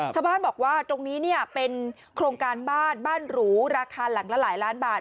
ชาวบ้านบอกว่าตรงนี้เนี่ยเป็นโครงการบ้านบ้านหรูราคาหลังละหลายล้านบาท